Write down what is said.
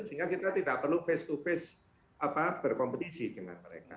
sehingga kita tidak perlu face to face berkompetisi dengan mereka